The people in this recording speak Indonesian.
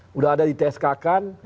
sudah ada di tsk kan